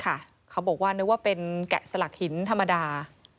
เขาบอกว่านึกว่าเป็นแกะสลักหินธรรมดา